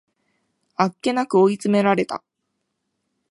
あっけなく追い詰められた